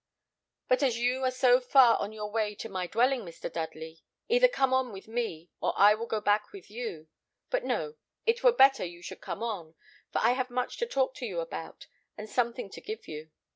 But as you are so far on your way to my dwelling, Mr. Dudley, either come on with me, or I will go back with you. But no; it were better you should come on, for I have much to talk to you about, and something to give you.